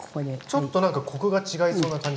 ちょっと何かコクが違いそうな感じしますね。